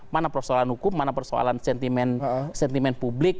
mana persoalan hukum mana persoalan sentimen publik